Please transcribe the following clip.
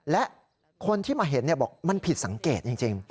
และคนที่มาเห็นบอกมันผิดสังเกตจริง